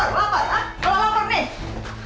laper lapar kalau lapar nih